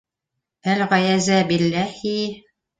Әлғаязә билләһи...